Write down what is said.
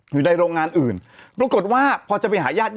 อยู่ในโรงงานอื่นปรากฏว่าพอจะไปหาญาติ